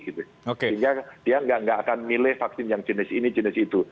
sehingga dia nggak akan milih vaksin yang jenis ini jenis itu